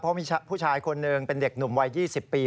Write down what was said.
เพราะมีผู้ชายคนหนึ่งเป็นเด็กหนุ่มวัย๒๐ปี